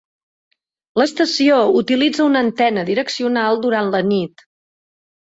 L'estació utilitza una antena direccional durant la nit.